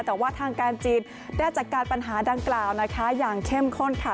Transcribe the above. แต่ว่าทางการจีนได้จัดการปัญหาดังกล่าวนะคะอย่างเข้มข้นค่ะ